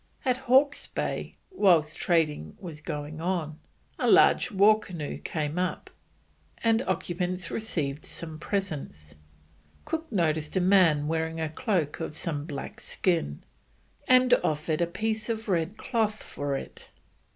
At Hawke's Bay, whilst trading was going on, a large war canoe came up, and the occupants received some presents. Cook noticed a man wearing a cloak of some black skin, and offered a piece of red cloth for it.